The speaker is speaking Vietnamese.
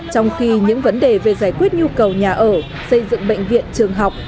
trong khi những vấn đề về giải quyết nhu cầu nhà ở xây dựng bệnh viện trường học